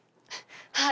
はい。